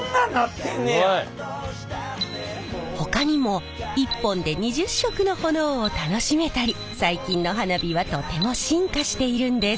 ほかにも１本で２０色の炎を楽しめたり最近の花火はとても進化しているんです。